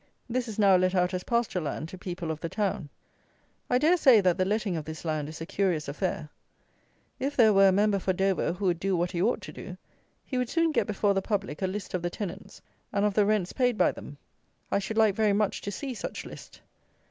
This is now let out as pasture land to people of the town. I dare say that the letting of this land is a curious affair. If there were a Member for Dover who would do what he ought to do, he would soon get before the public a list of the tenants, and of the rents paid by them. I should like very much to see such list.